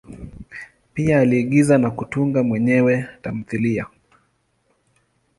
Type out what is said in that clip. Pia aliigiza na kutunga mwenyewe tamthilia.